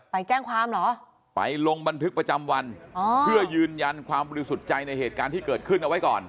ไปแจ้งความเหรอไปลงบันทึกประจำวันอ๋อเพื่อยืนยันความบริสุทธิ์ใจในเหตุการณ์ที่เกิดขึ้นเอาไว้ก่อน